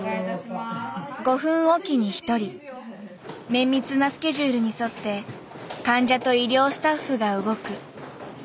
綿密なスケジュールに沿って患者と医療スタッフが動く。